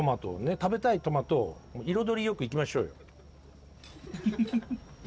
食べたいトマトを彩りよくいきましょうよ。